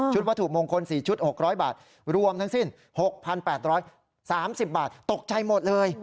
วัตถุมงคล๔ชุด๖๐๐บาทรวมทั้งสิ้น๖๘๓๐บาทตกใจหมดเลย